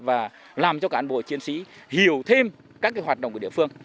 và làm cho cán bộ chiến sĩ hiểu thêm các hoạt động của địa phương